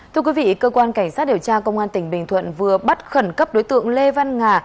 thưa quý vị cơ quan cảnh sát điều tra công an tỉnh bình thuận vừa bắt khẩn cấp đối tượng lê văn nga